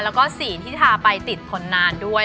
แล้วก็สีที่ทาไปติดผลนานด้วย